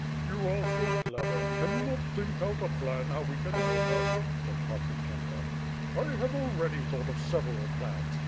"You are so clever. Can you not think cut a plan how we can help her," said Podbipyenta. "I have already thought of several plans.